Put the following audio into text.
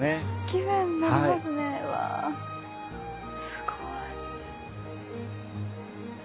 すごい。